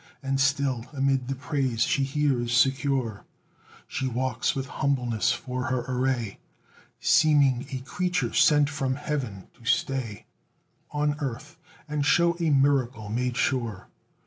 And still, amid the praise she hears secure, She walks with humbleness for her array; Seeming a creature sent from Heaven, to stay On earth, and show a miracle made sure.